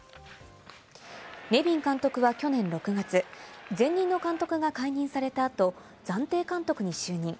ネビン監督は去年６月、前任の監督が解任された後、暫定監督に就任。